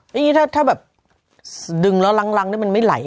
อย่างนี้ถ้าแบบดึงแล้วรังนี่มันไม่ไหล